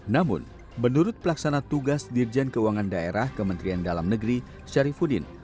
namun menurut pelaksana tugas dirjen keuangan daerah kementerian dalam negeri syarifudin